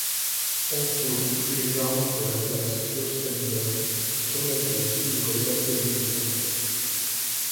En fond, les arbres de la place Furstenberg sur laquelle s'ouvrait l'atelier du peintre.